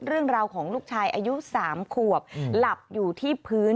เรื่องราวของลูกชายอายุ๓ขวบหลับอยู่ที่พื้น